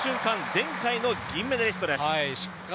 前回の銀メダリストです。